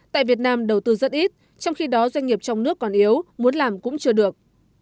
tại việt nam đầu tư rất ít trong khi đó doanh nghiệp trong nước còn yếu muốn làm cũng chưa được